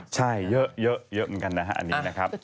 ใช่เยอะเยอะเยอะเหมือนกันนะครับ